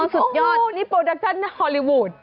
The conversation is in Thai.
อ๋อสุดยอดโอ้โหนี่โปรดัคชั่นฮอลลีวูด